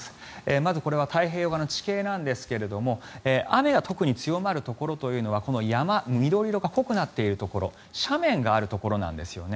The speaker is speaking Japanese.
まずこれは太平洋側の地形ですが雨が特に強まるところというのはこの山緑色が濃くなっているところ斜面があるところなんですよね。